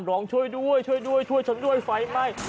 ร้องช่วยชัดด้วยไฟไหม้